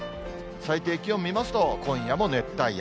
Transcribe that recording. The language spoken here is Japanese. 最低気温見ますと、今夜も熱帯夜。